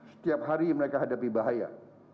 setiap hari mereka hadapi bahaya